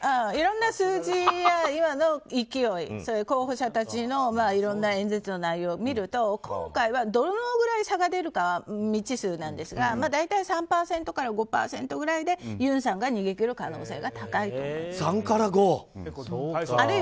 いろんな数字や今の勢い、候補者たちのいろんな演説の内容を見ると今回はどのぐらい差が出るかは未知数なんですが大体３％から５％くらいでユンさんが逃げ切る可能性が高いと。